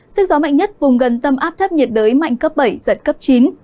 sức gió mạnh nhất vùng gần tâm áp thấp nhiệt đới mạnh cấp bảy giật cấp chín